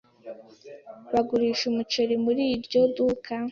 Bagurisha umuceri muri iryo duka.